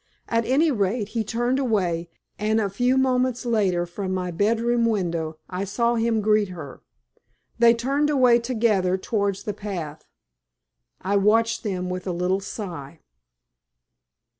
At any rate, he turned away, and a few moments later, from my bedroom window, I saw him greet her. They turned away together towards the path. I watched them with a little sigh.